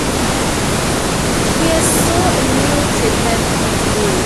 He has sought a new treatment for the disease.